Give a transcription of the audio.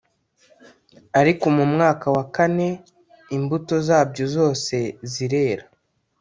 ariko mu mwaka wa kane imbuto zabyo zose zirera